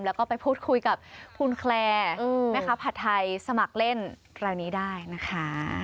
แล้วก็ไปพูดคุยกับคุณแคลร์แม่ค้าผัดไทยสมัครเล่นคราวนี้ได้นะคะ